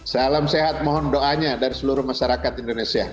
salam sehat mohon doanya dari seluruh masyarakat indonesia